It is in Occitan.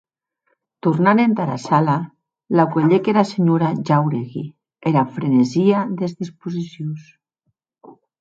Tornant entara sala, la cuelhec ara senhora Jáuregui era frenesia des disposicions.